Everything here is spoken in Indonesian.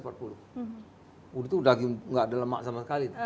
waktu itu daging gak ada lemak sama sekali